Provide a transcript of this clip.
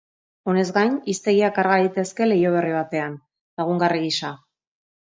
Honez gain, hiztegiak karga daitezke leiho berri batean, lagungarri gisa.